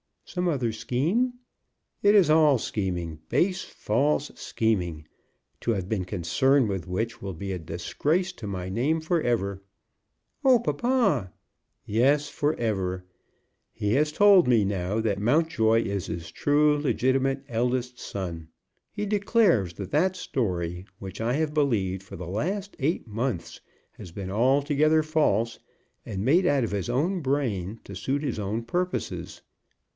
"Some other scheme?" "It is all scheming, base, false scheming, to have been concerned with which will be a disgrace to my name forever!" "Oh, papa!" "Yes; forever! He has told me, now, that Mountjoy is his true, legitimate, eldest son. He declares that that story which I have believed for the last eight months has been altogether false, and made out of his own brain to suit his own purposes.